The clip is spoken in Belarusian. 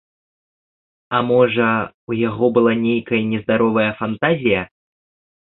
А, можа, у яго была нейкая нездаровая фантазія?